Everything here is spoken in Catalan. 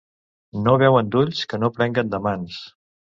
No veuen d'ulls que no prenguen de mans.